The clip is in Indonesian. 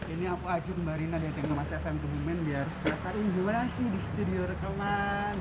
ini aku ajut mbak rina datang ke masa fm kebumen biar rasain gimana sih di studio rekaman